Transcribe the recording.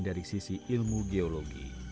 dari sisi ilmu geologi